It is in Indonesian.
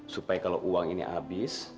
supaya kalau uang ini habis